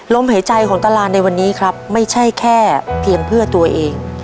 หายใจของตารานในวันนี้ครับไม่ใช่แค่เพียงเพื่อตัวเอง